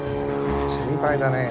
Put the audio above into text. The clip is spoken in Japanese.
心配だねえ。